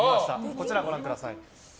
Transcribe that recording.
こちらご覧ください。